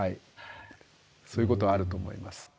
そういうことあると思います。